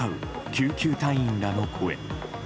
救急隊員らの声。